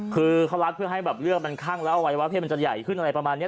คือเขารัดเพื่อให้แบบเลือดมันคั่งแล้วอวัยวะเพศมันจะใหญ่ขึ้นอะไรประมาณนี้